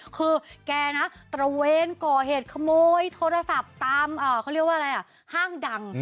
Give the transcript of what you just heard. คือแกนะตระเวนก่อเหตุขโมยโทรศัพท์ตามเขาเรียกว่าอะไรอ่ะห้างดัง